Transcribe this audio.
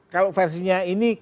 kalau versinya ini